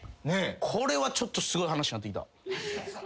これはちょっとすごい話になってきた。